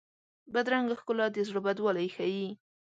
بدرنګه ښکلا د زړه بدوالی ښيي